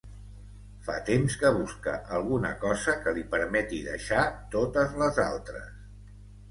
Fa temps que busca alguna cosa que li permeti deixar totes les altres.